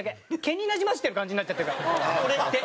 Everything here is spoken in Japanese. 毛になじませてる感じになっちゃってるから俺って。